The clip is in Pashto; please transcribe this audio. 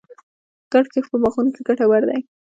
ګډ کښت په باغونو کې ګټور دی.